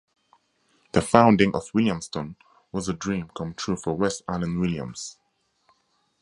The founding of Williamston was a dream come true for West Allen Williams.